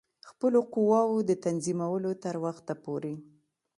خپلو قواوو د تنظیمولو تر وخته پوري.